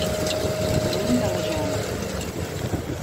Venim de la Jana.